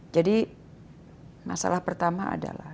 jadi masalah pertama adalah